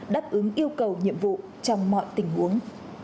đáp ứng yêu cầu nhiệm vụ trong mọi tình huống